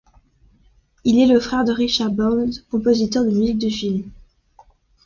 Il est le frère de Richard Band, compositeur de musiques de films.